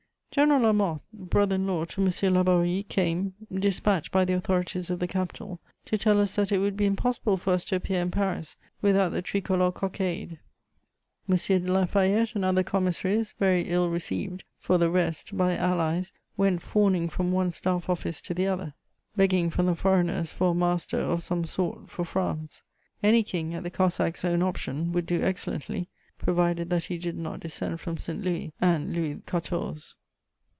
General Lamothe, brother in law to M. Laborie, came, despatched by the authorities of the capital, to tell us that it would be impossible for us to appear in Paris without the tricolour cockade. M. de La Fayette and other commissaries, very ill received, for the rest, by the Allies, went fawning from one staff office to the other, begging from the foreigners for a master of some sort for France: any king, at the Cossack's own option, would do excellently, provided that he did not descend from St. Louis and Louis XIV. [Sidenote: The journey to Paris.